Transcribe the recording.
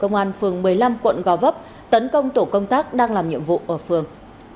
công an phường một mươi năm quận gò vấp tấn công tổ công tác đang làm nhiệm vụ ở phường